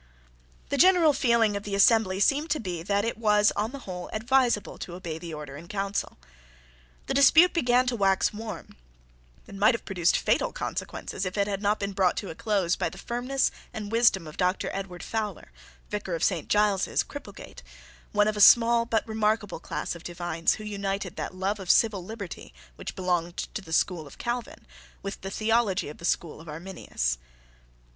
The general feeling of the assembly seemed to be that it was, on the whole, advisable to obey the Order in Council. The dispute began to wax warm, and might have produced fatal consequences, if it had not been brought to a close by the firmness and wisdom of Doctor Edward Fowler, Vicar of St. Giles's, Cripplegate, one of a small but remarkable class of divines who united that love of civil liberty which belonged to the school of Calvin with the theology of the school of Arminius.